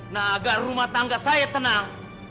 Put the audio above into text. nah agar rumah tangga saya tenang